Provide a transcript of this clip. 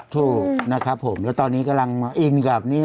ถูกนะครับผมแล้วตอนนี้กำลังมาอินกับนี่